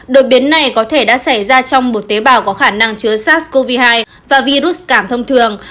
đột biến này có thể đã xảy ra trong một tế bào có khả năng chứa sars cov hai và virus cảm thông thường